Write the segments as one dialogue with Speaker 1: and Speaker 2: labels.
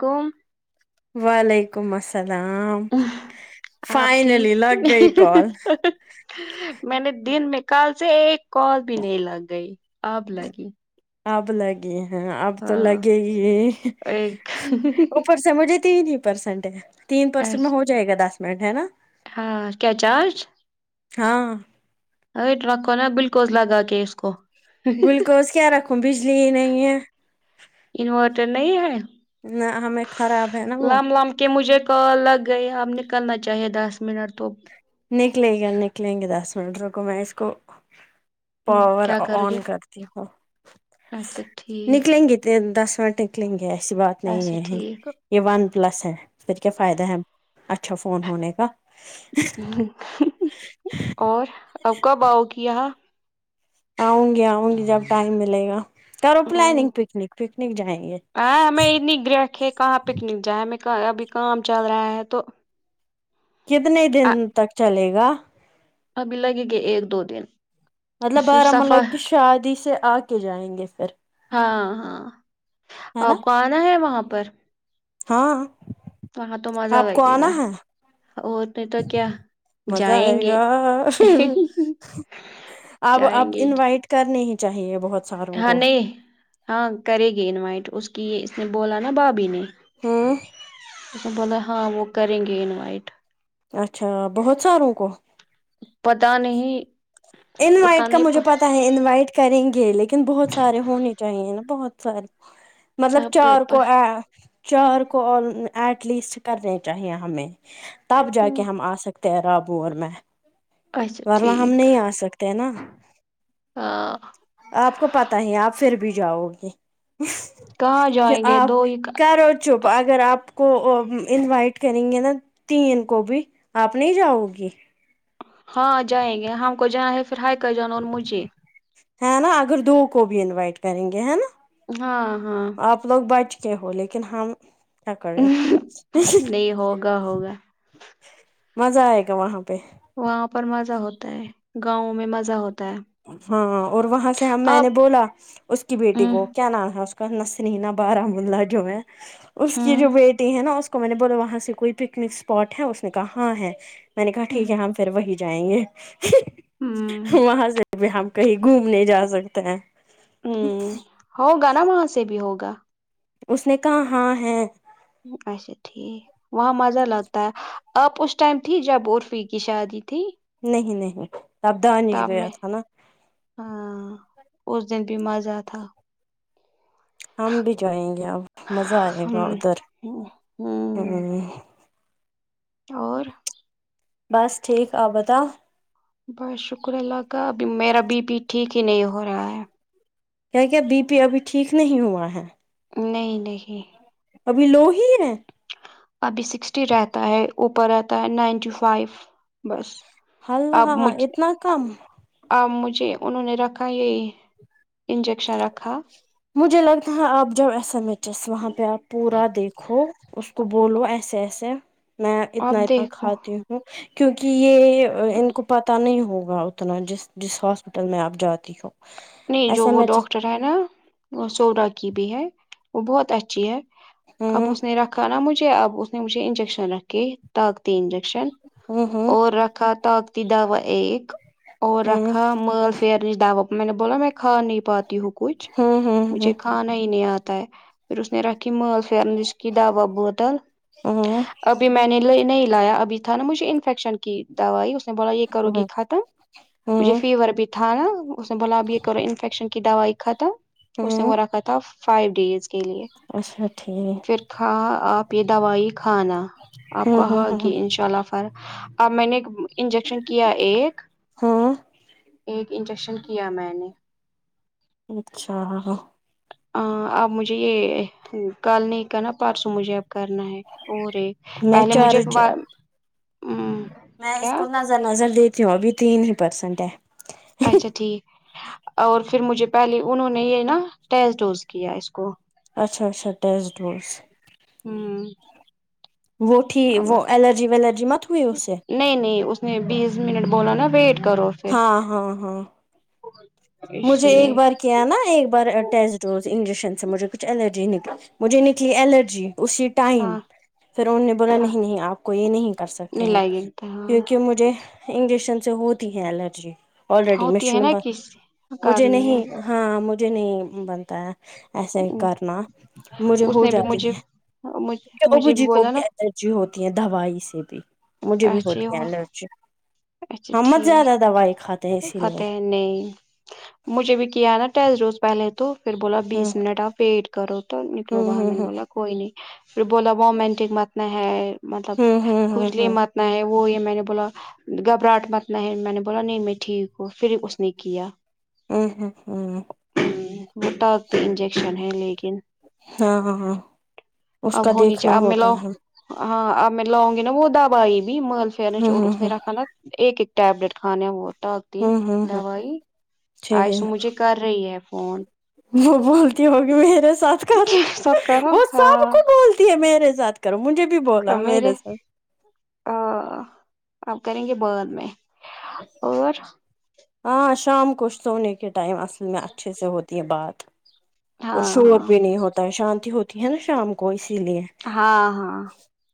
Speaker 1: کوم
Speaker 2: وعلیکم السلام
Speaker 1: آپ
Speaker 2: فائنلی
Speaker 1: ٹھیک
Speaker 2: لگ گئی کال
Speaker 1: میں نے دن میں کال سے ایک کال بھی نہیں لگ گئی اب لگی
Speaker 2: آب لگی ہیں آب تو
Speaker 1: ہاں
Speaker 2: لگے گی ہی
Speaker 1: ایک
Speaker 2: اوپر سمجھے تین ہی پرسینٹ ہے تین پرسینٹ میں
Speaker 1: اچھا،
Speaker 2: ہو جائے گا دس منٹ ہے نا
Speaker 1: ہاں کیا چارج
Speaker 2: ہاں
Speaker 1: ارے رکھو نا گلوکوز لگا کے اس کو
Speaker 2: گلوکوز کیا رکھوں بجلی ہی نہیں ہے
Speaker 1: انورٹر نہیں ہے
Speaker 2: نہ ہمیں خراب ہے نا وہ
Speaker 1: لم لم کہ مجھے کال لگ گئی اب نکلنا چاہیے دس منٹ تو
Speaker 2: نکلے گی نکلیں گے دس منٹ رکو میں اس کو
Speaker 1: ہوں،
Speaker 2: پاور
Speaker 1: کیا کرو گے
Speaker 2: آن کر تی ہو
Speaker 1: اچھا ٹھیک
Speaker 2: نکلیں گے تے دس منٹ نکلیں گے ایسی بات
Speaker 1: اچھا
Speaker 2: نہیں ہے
Speaker 1: ٹھیک
Speaker 2: یے ون پلس ہے پھر کیا فائدہ ہے اچھا فون ہونے کا
Speaker 1: اور اب کب آو گی یہاں
Speaker 2: آؤں گی آ اؤں گی جب ٹائم ملے گا کرو
Speaker 1: ہوں
Speaker 2: پلاننگ پکنک پکنک جائیں گے
Speaker 1: پگ رکھے کہاں پکنک جائے ہمیں کا ابھی کام چل رہا ہے تو
Speaker 2: کتنے دن تک چلے گا
Speaker 1: ابھی لگے گے ایک دو دن
Speaker 2: مطلب
Speaker 1: پھر
Speaker 2: بارا ملہ
Speaker 1: صفا
Speaker 2: کی شادی سے آکے جائیں گے پھر
Speaker 1: ہاں ہاں
Speaker 2: ہے
Speaker 1: آپ
Speaker 2: نا
Speaker 1: کو آنا ہے وہاں پر
Speaker 2: ہاں
Speaker 1: وہاں تو مزہ
Speaker 2: آپ کو
Speaker 1: لگے
Speaker 2: آنا
Speaker 1: گا
Speaker 2: ہے
Speaker 1: اور نہیں تو کیا
Speaker 2: مزہ
Speaker 1: جائیں
Speaker 2: آئے
Speaker 1: گے
Speaker 2: گا اب اب
Speaker 1: جائیں گے
Speaker 2: انوائٹ کرنی ہی چاہیے بہت ساروں
Speaker 1: ہاں
Speaker 2: کو
Speaker 1: نہیں ہاں کرے گی انوائٹ اس کی یے اس نے بولا نا بھابی نے
Speaker 2: ہمم
Speaker 1: اس نے بولے ہاں وہ کریں گے انوائٹ
Speaker 2: اچھا بہت ساروں کو
Speaker 1: پتہ نہیں
Speaker 2: انوائٹ کا
Speaker 1: اتنے
Speaker 2: مجھے پتا ہے انوائٹ کریں گے لیکن بہت سارے ہونے چاہیے نا بہت سارے مطلب چار کو اے چار کو اور ایٹ لیسٹ کرنے چاہیے ہمیں تب جا کے ہم آ سک تیرا ابواور میں
Speaker 1: اچھا ٹھیک
Speaker 2: تے ہے نا
Speaker 1: ہاں
Speaker 2: آپ کو پتا ہی ہیں آپ پھر بھی جاؤ گی
Speaker 1: کہاں
Speaker 2: کہ
Speaker 1: جائیں گے
Speaker 2: آپ
Speaker 1: دو ہی
Speaker 2: کرو چپ اگر آپ کو انوائٹ کریں گے نا تین کو بھی آپ نہیں جاؤ گی
Speaker 1: ہاں جائیں گے ہم کو جائے پھر ہائی کر جان اور مجھے
Speaker 2: ہے نا اگر دو کو بھی انوائٹ کریں گے ہے نا
Speaker 1: ہاں ہاں
Speaker 2: آپ لوگ بیٹھ کے ہو لیکن ہم کیا کریں
Speaker 1: نہیں ہوگا ہوگا
Speaker 2: مزہ آئے گا وہاں پہ
Speaker 1: وہاں پر مزہ ہوتا ہے گاؤں میں مزہ ہوتا ہے
Speaker 2: ہاں اور وہاں سے ہم میں نے
Speaker 1: آپ
Speaker 2: بولا اس کی بیٹی
Speaker 1: ہوں
Speaker 2: کو کیا نام ہے اس کا نسنینا بارملہ جو ہے اس کی
Speaker 1: ہوں
Speaker 2: جو بیٹی ہے نا اس کو میں نے بولا وہاں سے کوئی پکنک اسپاٹ ہے اس نے کہا ہاں ہے میں نے کہا
Speaker 1: ہوں
Speaker 2: ٹھیک ہے ہم پھر وہی جائیں گے
Speaker 1: ہوں
Speaker 2: وہاں سے بھی ہم کہیں گھومنے جا سکتے ہیں
Speaker 1: ہوں،
Speaker 2: اچ
Speaker 1: ہوگا نا وہاں سے بھی ہوگا
Speaker 2: اس نے کہا ہاں ہے
Speaker 1: اچھا ٹھیک وہاں مزہ لگتا ہے اب اس ٹائم تھی جب عرفی کی شادی تھی
Speaker 2: نہیں نہیں تب دانش
Speaker 1: تب
Speaker 2: گیا
Speaker 1: میں
Speaker 2: تھا نا
Speaker 1: ہاں اس دن بھی مزہ تھا
Speaker 2: ہم بھی جائیں گے اب مزہ آئے
Speaker 1: ہ
Speaker 2: گا ادھر
Speaker 1: ہ
Speaker 2: ھمم
Speaker 1: اور
Speaker 2: بس ٹھیک آپ بتاؤ
Speaker 1: بس شکر اللہ کا ابھی میرا بی پی ٹھیک ہی نہیں ہو رہا ہے
Speaker 2: کیا کیا بی پی ابھی ٹھیک نہیں ہوا ہے
Speaker 1: نہیں نہیں
Speaker 2: ابھی لو ہی ہے
Speaker 1: ابھی سکسٹی رہتا ہے اوپر رہتا ہے نائنٹی فائیو بس
Speaker 2: اللہ اتنا کم
Speaker 1: آ مجھے انہوں نے رکھا یہی انجیکشن رکھا
Speaker 2: مجھے لگتھا آپ جاؤ ایس ایم ایچ ایس وہاں پہ آپ پورا دیکھو اس کو بولو ایسے ایسے میں اتنا
Speaker 1: اب
Speaker 2: اتنا
Speaker 1: دیکھو
Speaker 2: کھاتی ہوں کیونکہ یہ ان کو پتا نہیں ہوگا اتنا جس جس ہاسپٹل میں آپ جاتی ہو
Speaker 1: نہیں
Speaker 2: ایس
Speaker 1: جو
Speaker 2: ایم
Speaker 1: وہ
Speaker 2: ایچ
Speaker 1: ڈاکٹر ہے نا وہ سوڈا کی بھی ہے وہ بہت اچھی ہے اب
Speaker 2: ہوں
Speaker 1: اس نے رکھا نا مجھے اب اس نے مجھے انجیکشن رکھے تک انجیکشن
Speaker 2: ہوں ہوں
Speaker 1: اور رکھا طاقتی دوا ایک اور
Speaker 2: ہوں
Speaker 1: رکھا مل فرن دوا میں نے بولا میں کھا نہیں پاتی ہو کچھ
Speaker 2: ہوں ہوں
Speaker 1: مجھے کھانا ہی نہیں آتا ہے پھر اس نے ملز د [unintelligible] وا بوتل
Speaker 2: ہوں
Speaker 1: ابھی میں نے لے نہیں لایا ابھی تھا نا مجھے انفیکشن کی دوائی اس نے بولا یہ کرو گی
Speaker 2: ہوں
Speaker 1: ختم مجھے
Speaker 2: ہوں
Speaker 1: فیور بھی تھا نا اس نے بولا اب یہ کرو انفییکشن کی دوائی ختم اس نے
Speaker 2: ہوں
Speaker 1: وہ رکھا تھا فائیو ڈیز کے لیے
Speaker 2: اچھا ٹھیک
Speaker 1: پھر کھا آپ یہ دوائی کھانا آپ
Speaker 2: ہوں ہوں
Speaker 1: کھاؤ گی
Speaker 2: ہوں
Speaker 1: ان شاء اللہ اب میں نے انجیکشن کیا ایک
Speaker 2: ہوں
Speaker 1: ایک انجیکشن کیا میں نے
Speaker 2: اچھا
Speaker 1: اب مجھے یہ کل نہیں کرنا پرسوں مجھے اب کرنا ہے اور ایک
Speaker 2: میں
Speaker 1: پہلے مجھے
Speaker 2: چارج
Speaker 1: پھر
Speaker 2: میں اس کو نظر نظر دیتی ہوں ابھی تین ہی پرسنٹ ہے
Speaker 1: اچھا ٹھیک اور پھر مجھے پہلے انہوں نے یہ نا ٹیسٹ ڈوز کیا اس کو
Speaker 2: اچھا اچھا ٹیسٹ ڈوز
Speaker 1: ہوں
Speaker 2: وہ تھی
Speaker 1: اب
Speaker 2: وہ الرجی ویلرجی مت ہوئی اس سے
Speaker 1: نہیں نہیں اس نے بیس منٹ بولا نا ویٹ کرو پھر
Speaker 2: ہاں ہاں ہاں
Speaker 1: اس
Speaker 2: مجھے
Speaker 1: لیے
Speaker 2: ایک بار کیا نا ایک بار ٹیسٹ ڈوز انجیکشن سے مجھے کچھ الرجی نکلی مجھے نکلی الرجی اسی ٹائم
Speaker 1: ہاں
Speaker 2: پھر انہوں نے بولا
Speaker 1: ہاں
Speaker 2: نہیں نہیں آپ کو یہ نہیں کر سکتے
Speaker 1: نہیں
Speaker 2: ہیں
Speaker 1: لگے گا ہاں
Speaker 2: کیونکہ مجھے انجیکشن سے ہوتی ہیں الرجی آلریڈی
Speaker 1: ہوتی
Speaker 2: میںش
Speaker 1: ہے نا کس
Speaker 2: مجھے
Speaker 1: کرنی
Speaker 2: نہیں ہاں مجھے نہیں بنتا ہے ایسے
Speaker 1: ہے
Speaker 2: کرنا مجھے
Speaker 1: اس
Speaker 2: ہو
Speaker 1: نے بھی
Speaker 2: جاتی
Speaker 1: مجھے
Speaker 2: ہیں ابو
Speaker 1: مجھے بھی
Speaker 2: جی کوب
Speaker 1: بولا نا
Speaker 2: جو ہوتی ہیں دوائی سے بھی مجھے بھی ہوتی ہے
Speaker 1: اچھا
Speaker 2: الرجی
Speaker 1: اچھا
Speaker 2: ہمت زیادہ
Speaker 1: ٹھیک
Speaker 2: دوائی کھاتے ہیں اسی لیے
Speaker 1: فتح نہیں مجھے بھی کیا ہے نا ٹیس روز پہلے تو پھر بولا
Speaker 2: ہوں
Speaker 1: بیس منٹ ویٹ کرو تو نکلو
Speaker 2: ہوں
Speaker 1: باہر میں نے
Speaker 2: ہوں
Speaker 1: بولا کوئی نہیں پھر بولا مومینٹک متنا ہے مطلب
Speaker 2: ہوں ہوں ہوں
Speaker 1: کجلی
Speaker 2: ہوں
Speaker 1: متنا ہے وہ یہ میں نے بولا گھبراہٹ مت نہ ہے میں نے بولا نہیں میں ٹھیک ہوں پھر اس نے کیا
Speaker 2: ہوں ہوں ہوں
Speaker 1: ہ وہٹاک تو انجیکشن ہے لیکن
Speaker 2: ہاں ہاں ہاں اس
Speaker 1: اب
Speaker 2: کا
Speaker 1: ہونی
Speaker 2: دیکھنا
Speaker 1: چاہیے اب میں
Speaker 2: ہوتا
Speaker 1: لاؤ
Speaker 2: ہے
Speaker 1: ہاں اب میں لاؤں گی نا وہ دب آئی بھی محلفر
Speaker 2: ہوں
Speaker 1: اور
Speaker 2: ہوں
Speaker 1: اس نے
Speaker 2: ہوں
Speaker 1: رکھ ایک ایک ٹیبلیٹ کھانے وہ ٹک دی
Speaker 2: ہوں ہوں ہوں
Speaker 1: دوائی
Speaker 2: ٹھیک ہے
Speaker 1: آئیسو مجھے کر رہی ہے فون
Speaker 2: وہ بولتی ہوگی میرے ساتھ کر
Speaker 1: سب کرو
Speaker 2: وہ سب
Speaker 1: ہاں
Speaker 2: کو بول میرے ساتھ کرو مجھے بھی بولا میرے ساتھ
Speaker 1: ا آپ کریں گے بعد میں اور
Speaker 2: ہاں شام کو سونے کے ٹائم اصل میں اچھے سے ہوتی یہ بات اور
Speaker 1: ہاں
Speaker 2: شور
Speaker 1: ہاں
Speaker 2: بھی نہیں ہوتا ہے شانتی ہوتی ہے نا شام کو اسی لیے
Speaker 1: ہاں ہاں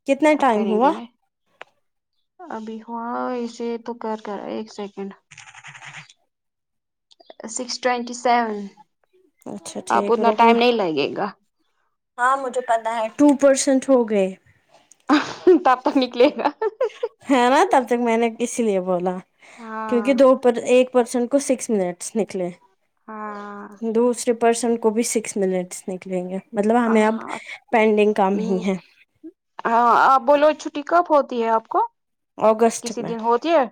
Speaker 2: کتنا
Speaker 1: اب
Speaker 2: ٹائم
Speaker 1: کریں گے
Speaker 2: ہوا
Speaker 1: ناں ابھی ہاں اسے تو کر کرا ایک سیکنڈ سکس ٹوینٹی سیون
Speaker 2: اچھا
Speaker 1: اب
Speaker 2: ٹھیک
Speaker 1: اتنا
Speaker 2: رکو
Speaker 1: ٹائم نہیں لگے گا
Speaker 2: ہاں مجھے پتا ہے ٹو پرسینٹ ہو گئے
Speaker 1: تب تک نکلے گا
Speaker 2: ہے ناں تب تک میں نے اسی لیے بولا کیونکہ
Speaker 1: ہاں
Speaker 2: دوپر ایک پرسنٹ کو سکس منٹس نکلے
Speaker 1: ہاں
Speaker 2: دوسرے پرسنٹ کو بھی سکس منٹس نکلیں گے مطلب ہمیں اب
Speaker 1: ہاں
Speaker 2: پینڈنگ کم ہی ہے
Speaker 1: ہاں آپ بولو چھٹی کب ہوتی ہے آپ کو
Speaker 2: اگست
Speaker 1: کسی
Speaker 2: میں
Speaker 1: دن ہوتی ہے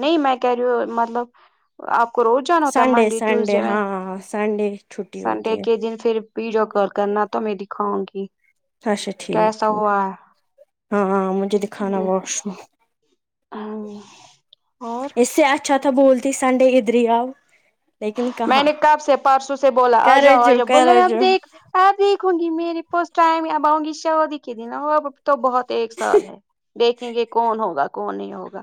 Speaker 1: نہیں میں کر رہی ہوں مطلب آپ کو روز جانا ہوتا ہے
Speaker 2: سنڈے
Speaker 1: منڈے
Speaker 2: سنڈے
Speaker 1: ٹیوزڈے وین
Speaker 2: ہاں سنڈے چھٹی
Speaker 1: سنڈے
Speaker 2: ہوتی ہے
Speaker 1: کے دن پھر ویڈیو کال کرنا تو میں دکھاؤں گی
Speaker 2: اچھا ٹھیک
Speaker 1: کیسا
Speaker 2: ہے
Speaker 1: ہوا
Speaker 2: ہاں ہاں مجھے دکھانا واش روم
Speaker 1: اور
Speaker 2: اس سے اچھا تھا بولتی سنڈے ادھر ہی آؤ لیکن
Speaker 1: میں
Speaker 2: کہاں
Speaker 1: نے کب سے پرسوں سے بولا
Speaker 2: کرو
Speaker 1: آجاؤ
Speaker 2: جو
Speaker 1: آجاؤ بولے
Speaker 2: کرو
Speaker 1: اب
Speaker 2: جو
Speaker 1: دیکھ ہاں دیکھوں گی میری پاس ٹائم اب آؤں گی شادی کے دن تو بہت ایک سال ہے دیکھیں گے کون ہوگا کون نہیں ہوگا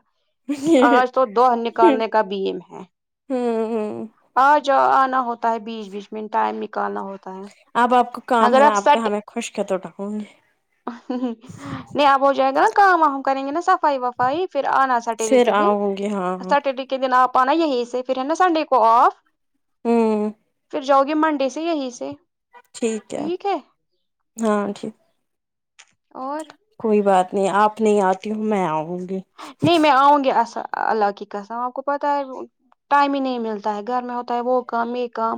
Speaker 1: آج تو دوہ نکالنے کا بھی ایم ہے
Speaker 2: ہوں
Speaker 1: آ جاؤ آنا ہوتا ہے بیچ بیچ میں ٹائم نکالنا ہوتا ہے
Speaker 2: اب آپ کو کام
Speaker 1: اگر
Speaker 2: ہے نا
Speaker 1: آپ
Speaker 2: کا
Speaker 1: سٹ
Speaker 2: ہمیں خشک تو ڈھاؤں گی
Speaker 1: نہیں آپ ہو جائے گا ناں کام آ کریں گے نا صفائی وفائی پھر آنا سٹرڈے
Speaker 2: پھر
Speaker 1: کے دن
Speaker 2: آؤں گی ہاں ہاں
Speaker 1: سٹرڈے کی کے دن آپ آنا یہی سے پھر ہے ناں سنڈے کو آف
Speaker 2: ہمم
Speaker 1: پھر جاؤ گے منڈے سے یہیں سے
Speaker 2: ٹھیک ہے ہاں ٹھیک
Speaker 1: اور
Speaker 2: کوئی بات نہیں آپ نہیں آتی ہو میں آؤں گی
Speaker 1: نہیں میں آؤں گی اسہ اللہ کی قسم آپ کو پتہ ہے ٹائم ہی نہیں ملتا ہے گھر میں ہوتا ہے وہ کام یے کام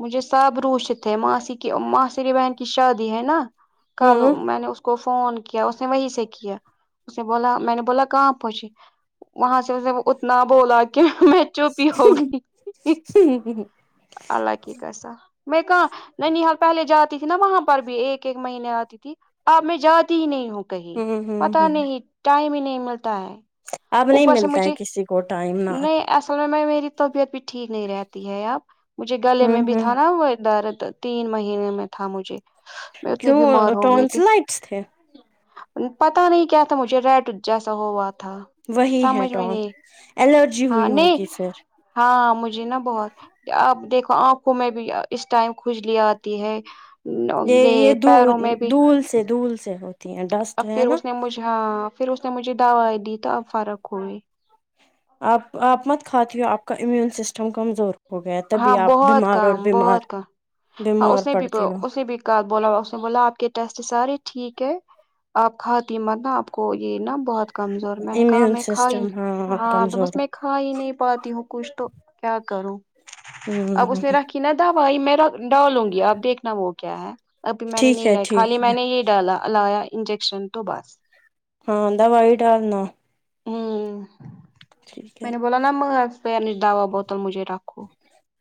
Speaker 1: مجھے سب روشت ہے ماسی کی ماسری بہن کی شادی ہے نا کل
Speaker 2: ہوں
Speaker 1: میں نے اس کو فون کیا اس نے وہی سے کیا اس نے بولا میں نے بولا کہاں پہنچے وہاں سے اس نے اتنا بولا میں چپ ہی ہو گئی اللہ کی قسم میں کہاں نینیہال پہلے جاتی تھی ناں وہاں پر بھی ایک ایک مہینے آتی تھی اب میں جاتی ہی نہیں ہوں کہیں
Speaker 2: ہوں ہوں
Speaker 1: پتہ
Speaker 2: ہ
Speaker 1: نہیں ٹائم ہی نہیں ملتا ہے
Speaker 2: اب نہیں
Speaker 1: اوپر سے
Speaker 2: ملتا ہے
Speaker 1: مجھے
Speaker 2: کسی کو ٹائم نہ
Speaker 1: نہیں اصل میں میں میری طبیعت بھی ٹھیک نہیں رہتی ہے اب مجھے گلے
Speaker 2: ہوں
Speaker 1: میں بھی
Speaker 2: ہوں
Speaker 1: تھا ناں وہ درد تین مہینے میں تھا مجھے میں اتنی
Speaker 2: کیوں
Speaker 1: بیمار ہو گئی تھی
Speaker 2: ٹونسلائٹس تھے
Speaker 1: پتہ نہیں کیا تھا مجھے ریڈ جیسا ہوا تھا
Speaker 2: وہی ہے
Speaker 1: سمجھ میں
Speaker 2: ٹون
Speaker 1: نہیں
Speaker 2: الرجی ہوئی
Speaker 1: نہیں
Speaker 2: ہوگی پھر
Speaker 1: ہاں ہاں مجھے نا بہت آپ دیکھو انکھوں میں اس ٹائم کھجلی آتی ہے
Speaker 2: نہیں یے
Speaker 1: یہ
Speaker 2: دھو
Speaker 1: پیروں میں بھی
Speaker 2: دھول سے دھول سے ہوتی ہے
Speaker 1: اب
Speaker 2: ڈسٹ
Speaker 1: پھر
Speaker 2: نا
Speaker 1: اس نے مجھے ہاں پھر اس نے مجھے دوائی دی تو اب فرق ہو گئی
Speaker 2: آپ آپ مت کھاتی ہو آپ کا امیون سسٹم کمزور ہو گیا تبھی
Speaker 1: ہاں
Speaker 2: آپ
Speaker 1: بہت
Speaker 2: بیمار اور
Speaker 1: کام
Speaker 2: بیمار
Speaker 1: بہت کام ہاں
Speaker 2: بیمار
Speaker 1: اس نے بھی
Speaker 2: پڑتی ہو
Speaker 1: اسنے بھی کا بولا اس نے بولا آپ کے ٹیسٹ سارے ٹھیک ہے آپ کااتمت نا آپ کو یے نہ بہت کمزور میں نے کہا
Speaker 2: امیون
Speaker 1: میں کھائی
Speaker 2: سسٹم
Speaker 1: ہاں تو
Speaker 2: کمزور
Speaker 1: بس
Speaker 2: ہ
Speaker 1: میں کھا ہی نہیں پاتی ہوں کچھ تو کیا کروں اب اس نے رکھی نا دوائی میرا ڈالوں گی اب دیکھنا وہ کیا ہے ابھی میں نے
Speaker 2: ٹھیک
Speaker 1: نہیں
Speaker 2: ہے
Speaker 1: لائی خالی
Speaker 2: ٹھیک
Speaker 1: میں
Speaker 2: ہے
Speaker 1: نے یے ڈالا لایا انجیکشن تو بس
Speaker 2: ہاں داوائ ڈالنا
Speaker 1: آمم
Speaker 2: ٹھیک ہے
Speaker 1: میں نے بولا نہ منگا دوا پھر دوا بوتل مجھے رکھو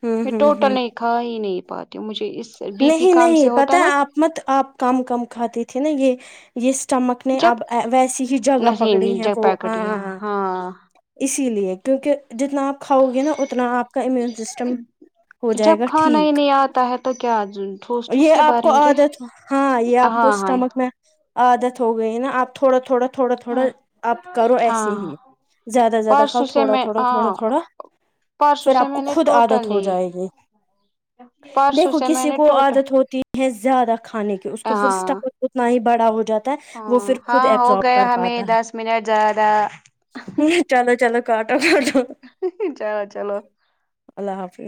Speaker 2: ہوں
Speaker 1: میں
Speaker 2: ہوں
Speaker 1: ٹوٹل
Speaker 2: ہوں
Speaker 1: نہیں کھا ہی نہیں پاتی ہوں مجھے اس بی پی
Speaker 2: نہیں
Speaker 1: کام
Speaker 2: نہیں
Speaker 1: سے
Speaker 2: پتہ
Speaker 1: ہوتا
Speaker 2: ہے
Speaker 1: نا
Speaker 2: آپ مت آپ کم کم کھاتی تھی نا یہ یہ اسٹمک نے
Speaker 1: جب
Speaker 2: اب ویسی ہی جگہ پکڑی
Speaker 1: نہیں
Speaker 2: ہے
Speaker 1: جگ
Speaker 2: وہ
Speaker 1: پیکٹ ہی ہے،
Speaker 2: ہاں
Speaker 1: ہاں
Speaker 2: اسی لیے کیونکہ جتنا آپ کھاؤ گے نا اتنا آپ کا امیون سسٹم ہو جائے گا ٹھیک
Speaker 1: کیا ہوتا ہے تو کیا آج ان
Speaker 2: یہ آپ کو عادت ہاں یہ آپ کو
Speaker 1: ہاں ہاں
Speaker 2: اسٹمک میں عادت ہو گئی نا آپ تھوڑا تھوڑا تھوڑا تھوڑا
Speaker 1: ہ
Speaker 2: آپ کرو ایسے
Speaker 1: ہاں
Speaker 2: ہی زیادہ زیادہ کھاؤ
Speaker 1: پرسوں سے
Speaker 2: تھوڑا
Speaker 1: میں
Speaker 2: تھوڑا تھوڑا
Speaker 1: ہاں
Speaker 2: تھوڑا
Speaker 1: پرسوں
Speaker 2: پھر
Speaker 1: سے
Speaker 2: آپ کو
Speaker 1: میں نے
Speaker 2: خود
Speaker 1: ٹوٹل
Speaker 2: عادت ہو جائے گی
Speaker 1: نہیں پرسوں
Speaker 2: دیکھو
Speaker 1: سے میں
Speaker 2: کسی
Speaker 1: نے
Speaker 2: کو
Speaker 1: ٹوٹل
Speaker 2: عادت ہوتی ہیں زیادہ کھانے کی اس کو پھر
Speaker 1: ہاں
Speaker 2: اسٹمک اتنا ہی بڑا ہو جاتا تر وہ
Speaker 1: ہاں
Speaker 2: پھر خود
Speaker 1: ہاں ہو
Speaker 2: ایبزاب کر
Speaker 1: گیا
Speaker 2: پاتا
Speaker 1: ہمیں
Speaker 2: ہے
Speaker 1: دس منٹ زیادہ
Speaker 2: چلو چلو کاٹو کاٹو
Speaker 1: جائے چلو
Speaker 2: اللہ حافظ